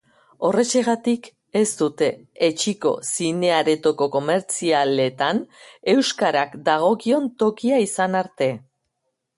Horrexegatik, ez dute etsiko zine-areto komertzialetan euskarak dagokion tokia izan arte.